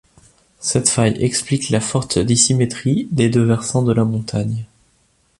Cette faille explique la forte dissymétrie des deux versants de la montagne.